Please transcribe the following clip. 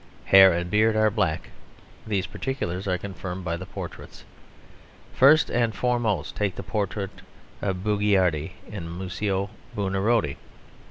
Hair and beard are black. These particulars are confirmed by the portraits. First and foremost take the portrait of Bugiardini in Museo Buonarotti.